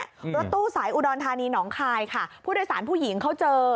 รถตู้สายอุดรธานีหนองคายค่ะผู้โดยสารผู้หญิงเขาเจอ